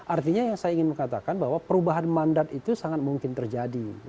artinya yang saya ingin mengatakan bahwa perubahan mandat itu sangat mungkin terjadi